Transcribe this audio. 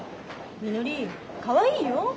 みのりかわいいよ。